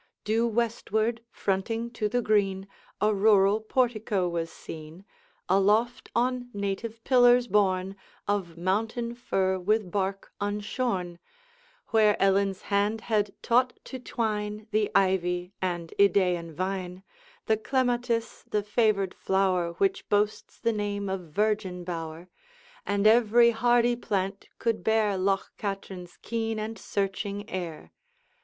Due westward, fronting to the green, A rural portico was seen, Aloft on native pillars borne, Of mountain fir with bark unshorn Where Ellen's hand had taught to twine The ivy and Idaean vine, The clematis, the favored flower Which boasts the name of virgin bower, And every hardy plant could bear Loch Katrine's keen and searching air.